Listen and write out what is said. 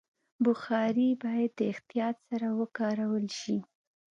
بخاري باید د احتیاط سره وکارول شي.